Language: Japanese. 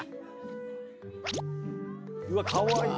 うわっかわいい。